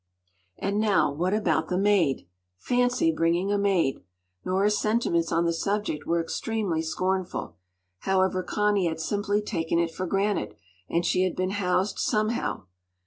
And now what about the maid? Fancy bringing a maid! Nora’s sentiments on the subject were extremely scornful. However Connie had simply taken it for granted, and she had been housed somehow.